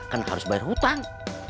karena harus bayar hutang